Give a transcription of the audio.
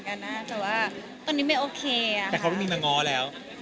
เมตรในทางตอนนี้เมตรน่ะโทรอ่ะ